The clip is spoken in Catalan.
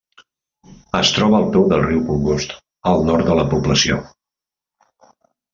Es troba al peu del riu Congost, al nord de la població.